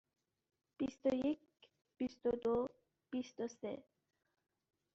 بیست و یک، بیست و دو، بیست و سه.